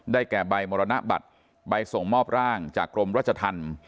แก่ใบมรณบัตรใบส่งมอบร่างจากกรมราชธรรม